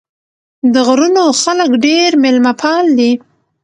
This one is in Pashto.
د غرونو خلک ډېر مېلمه پال دي.